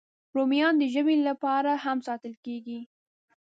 رومیان د ژمي لپاره هم ساتل کېږي